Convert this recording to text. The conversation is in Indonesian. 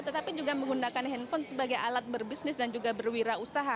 tetapi juga menggunakan handphone sebagai alat berbisnis dan juga berwirausaha